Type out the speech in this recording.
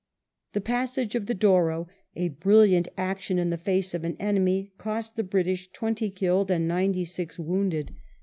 The passage of the Douro, a brilliant action in the face of an enemy, cost the British twenty killed and ninety six wounded.